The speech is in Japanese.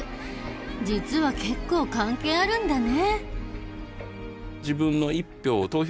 実は結構関係あるんだね。